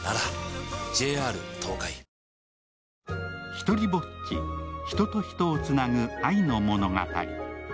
「ひとりぼっち―人と人をつなぐ愛の物語―」